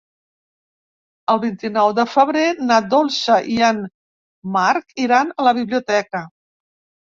El vint-i-nou de febrer na Dolça i en Marc iran a la biblioteca.